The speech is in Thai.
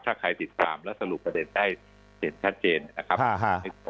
ถ้าใครติดตามและสรุปประเด็นได้เห็นชัดเจนนะครับ